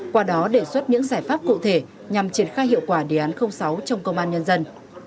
qua đó đề xuất những giải pháp cụ thể nhằm triển khai hiệu quả đề án sáu trong công an nhân dân